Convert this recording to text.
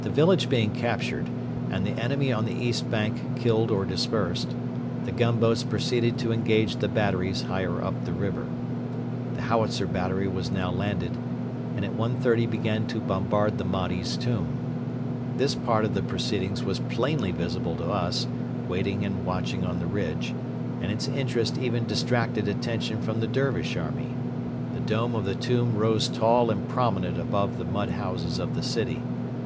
The village being captured, and the enemy on the east bank killed or dispersed, the gunboats proceeded to engage the batteries higher up the river. The howitzer battery was now landed, and at 1.30 began to bombard the Mahdi's Tomb. This part of the proceedings was plainly visible to us, waiting and watching on the ridge, and its interest even distracted attention from the Dervish army. The dome of the tomb rose tall and prominent above the mud houses of the city.